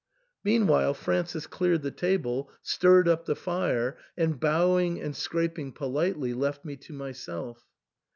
Meanwhile, Francis cleared the table, stirred up the fire, and bowing and scraping politely, left me to myself.